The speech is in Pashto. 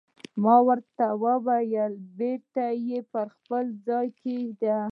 ما ورته وویل: بېرته یې پر خپل ځای کېږده.